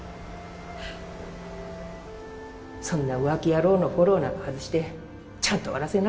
そんな浮気野郎のフォローなんか外ちゃんと終わらせな！